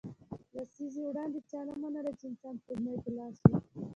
لسیزې وړاندې چا نه منله چې انسان سپوږمۍ ته لاړ شي